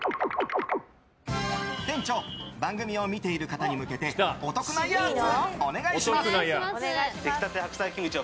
店長、番組を見ている方に向けてお得なやつ、お願いします。